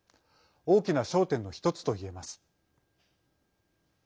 大きな焦点の１つといえます。